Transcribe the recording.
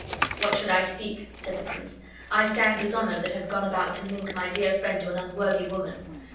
"What should I speak?" said the prince. "I stand dishonored that have gone about to link my dear friend to an unworthy woman.